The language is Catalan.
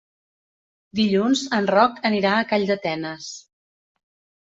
Dilluns en Roc anirà a Calldetenes.